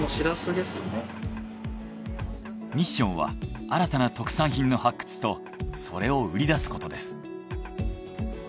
ミッションは新たな特産品の発掘とそれを売り出すことです。